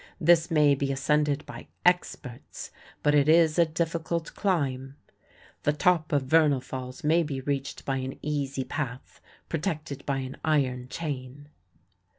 This may be ascended by experts, but it is a difficult climb. The top of Vernal Falls may be reached by an easy path protected by an iron chain.